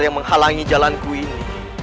yang menghalangi jalanku ini